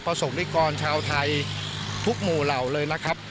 สกนิกรชาวไทยทุกหมู่เหล่าเลยนะครับ